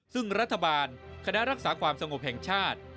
ซึ่งรัฐบาลคณะรักษาความสงบแห่งชาติ